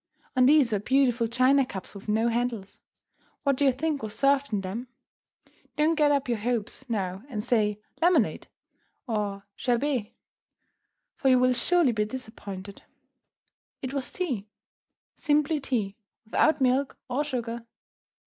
On these were beautiful china cups with no handles. What do you think was served in them? Don't get up your hopes now and say "lemonade," or "sherbet," for you will surely be disappointed. It was tea, simply tea, without milk or sugar.